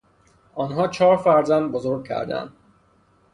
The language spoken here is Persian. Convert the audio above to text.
آنها چهار فرزند بزرگ کردهاند.